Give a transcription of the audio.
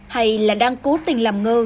hay là đang cố tình làm ngơ